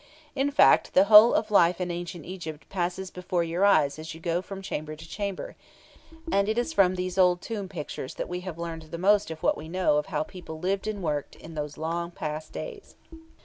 In fact, the whole of life in Ancient Egypt passes before your eyes as you go from chamber to chamber, and it is from these old tomb pictures that we have learned the most of what we know of how people lived and worked in those long past days.